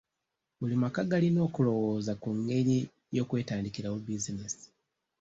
Buli maka galina okulowooza ku ngeri y'okwetandikirawo bizinensi.